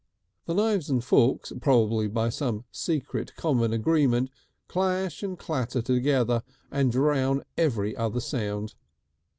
The knives and forks, probably by some secret common agreement, clash and clatter together and drown every other sound.